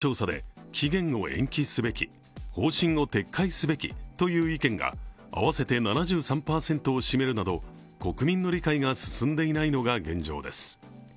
保険証の廃止についてはＪＮＮの世論調査で期限を延期すべき、方針を撤回すべきという意見が合わせて７３％を占めるなど国民の理解が進んでいないのが現状です。